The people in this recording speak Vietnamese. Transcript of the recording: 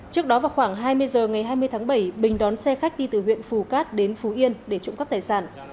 trước đó vào khoảng hai mươi h ngày hai mươi tháng bảy bình đón xe khách đi từ huyện phù cát đến phú yên để trộm cắp tài sản